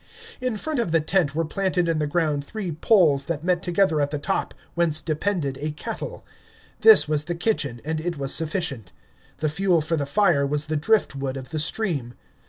In front of the tent were planted in the ground three poles that met together at the top, whence depended a kettle. This was the kitchen, and it was sufficient. The fuel for the fire was the driftwood of the stream.